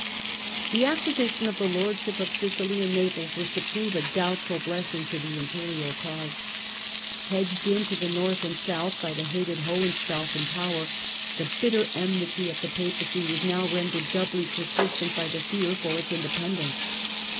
The acquisition of the lordship of Sicily and Naples was to prove a doubtful blessing to the Imperial cause. Hedged in to the north and south by the hated Hohen staufen power, the bitter enmity of the Papacy was now rendered doubly persistent by the fear for its indepen dence.